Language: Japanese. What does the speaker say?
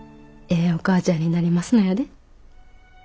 ええお母ちゃんになりますのやで。